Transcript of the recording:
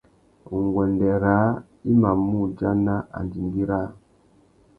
Nguêndê râā i mà mù udjana andingui râā.